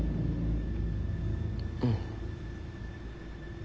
うん。